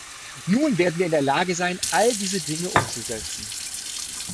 Nun werden wir in der Lage sein, all diese Dinge umzusetzen.